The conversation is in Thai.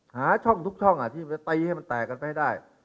หาช่องทุกช่องที่จะตีให้มันแตกกันไปให้ได้